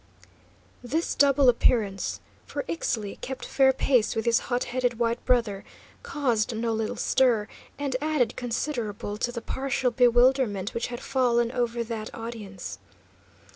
This double appearance for Ixtli kept fair pace with his hot headed white brother caused no little stir, and added considerable to the partial bewilderment which had fallen over that audience.